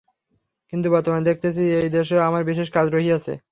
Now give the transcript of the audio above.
কিন্তু বর্তমানে দেখিতেছি, এই দেশেও আমার বিশেষ কাজ রহিয়াছে।